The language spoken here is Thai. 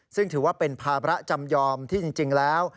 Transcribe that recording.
ซึ่งถือว่าเป็นภาระจำยอมที่จริงแล้ว